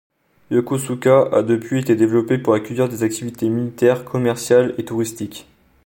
Yokosuka a depuis été développée pour accueillir des activités militaires, commerciales et touristiques.